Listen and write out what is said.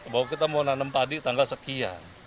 bahwa kita mau nanam padi tanggal sekian